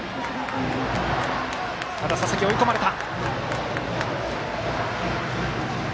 ただ佐々木、追い込まれた。